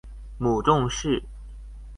母仲氏。